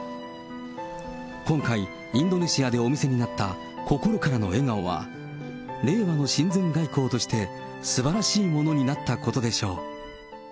今回、インドネシアでお見せになった心からの笑顔は、令和の親善外交としてすばらしいものになったことでしょう。